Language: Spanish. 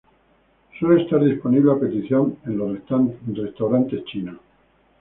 Suele estar disponible a petición en los restaurantes chinos.